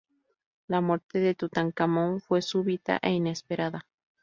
La muerte de Tutankamón fue súbita e inesperada.